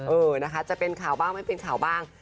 เออนะคะจะเป็นข่าวบ้างไม่เป็นข่าวบ้าง